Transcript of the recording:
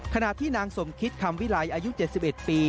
ขณะที่นางสมคิดคำวิลัยอายุ๗๑ปี